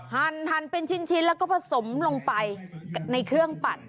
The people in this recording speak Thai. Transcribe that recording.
หั่นเป็นชิ้นแล้วก็ผสมลงไปในเครื่องปั่น